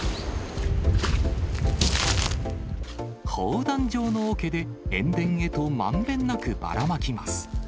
砲弾状のおけで塩田へとまんべんなくばらまきます。